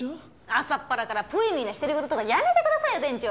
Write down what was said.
朝っぱらからポエミーな独り言とかやめてくださいよ店長。